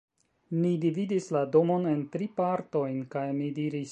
Ni dividis la domon en tri partojn, kaj mi diris: